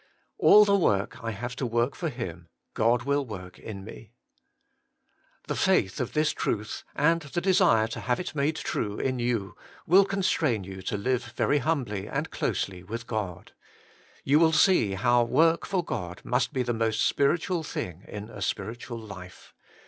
All the work I have to work for Him, God will work in me. The faith of this truth, and the desire to have it made true in you, will constrain you to live very humbly and closely with God. You will see how work for God must be the most spiritual thing in a spiritual life.